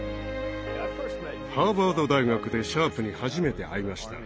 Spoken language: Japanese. ハーバード大学でシャープに初めて会いました。